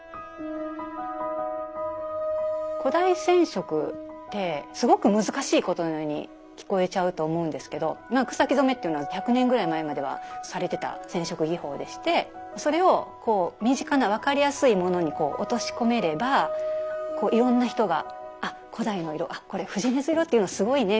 古代染色ってすごく難しいことのように聞こえちゃうと思うんですけどまあ草木染めっていうのは１００年ぐらい前まではされてた染色技法でしてそれを身近な分かりやすいものに落とし込めればいろんな人が「あ古代の色あこれ藤鼠色っていうのすごいね」みたいな